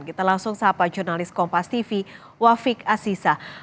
kita langsung sahabat jurnalis kompas tv wafik asisah